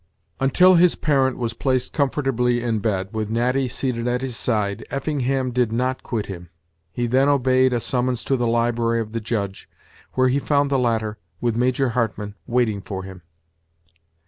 Until his parent was placed comfortably in bed, with Natty seated at his side, Effingham did not quit him. He then obeyed a summons to the library of the Judge, where he found the latter, with Major Hartmann, waiting for him.